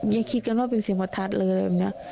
ยังคิดกันว่าเป็นเสียงประทัดเลยอะไรแบบนี้